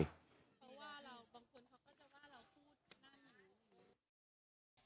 เพราะว่าเราบางคนเขาก็จะว่าเราพูดนะคะ